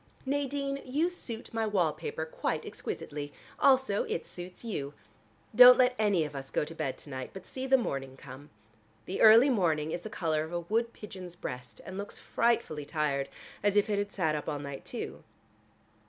Nadine, you suit my wall paper quite exquisitely. Also it suits you. Don't let any of us go to bed to night, but see the morning come. The early morning is the color of a wood pigeon's breast, and looks frightfully tired, as if it had sat up all night too.